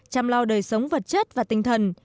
chăm lo đời sống vật chất và tinh thần